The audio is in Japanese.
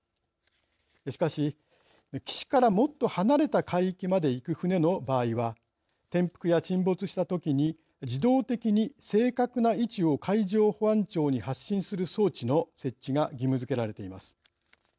しかし岸からもっと離れた海域まで行く船の場合は転覆や沈没したときに自動的に正確な位置を海上保安庁に発信する装置の設置が義務づけられています。